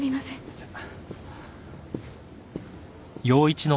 じゃあ。